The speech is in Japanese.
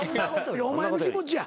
お前の気持ちや。